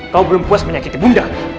kau belum puas menyakiti bunda